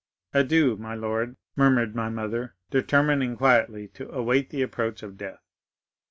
'Adieu, my lord,' murmured my mother, determining quietly to await the approach of death.